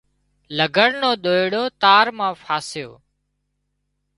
لگھڙ نو ۮوئيڙو تار مان ڦاسيو